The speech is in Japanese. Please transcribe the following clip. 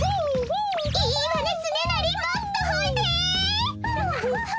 いいわねつねなりもっとほえて！